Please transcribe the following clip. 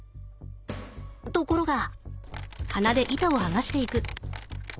ところが。